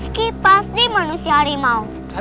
itu orang tuhan lagam